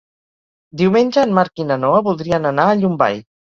Diumenge en Marc i na Noa voldrien anar a Llombai.